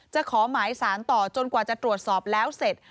ขอหมายสารต่อจนกว่าจะตรวจสอบแล้วเสร็จ